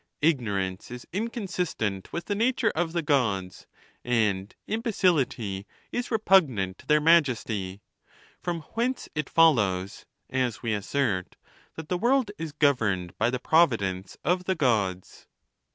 Ignorance is inconsistent with the nature of the Gods, and imbecility is repugnant to their majesty. From whence it follows, as we assert, that the world is governed by the jDrovidence of the Gods. XXXI.